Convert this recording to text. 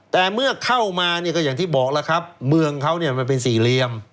แต่เมื่อเข้ามาเนี่ยก็อย่างที่บอกแล้วครับเมืองเขาเนี่ยมันเป็นสี่เหลี่ยม